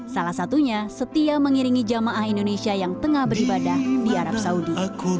salah satunya setia mengiringi jamaah indonesia yang tengah beribadah di arab saudi